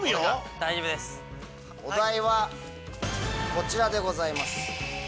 お題はこちらでございます。